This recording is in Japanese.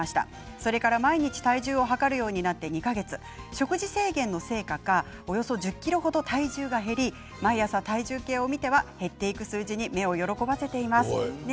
それから毎日体重を量るようになって２か月食事制限の生活がおよそ１０ｋｇ程、体重が減り毎朝体重計を見ては減っていく数字に目を細めています。